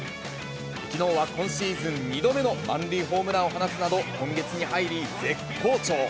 きのうは今シーズン２度目の満塁ホームランを放つなど、今月に入り絶好調。